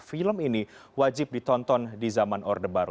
film ini wajib ditonton di zaman orde baru